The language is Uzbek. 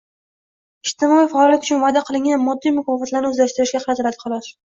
«ijtimoiy faollik» uchun va’da qilingan moddiy mukofotlarni o‘zlashtirishga qaratiladi, xolos.